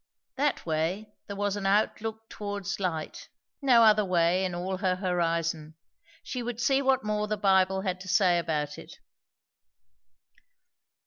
That way there was an outlook towards light; no other way in all her horizon. She would see what more the Bible had to say about it.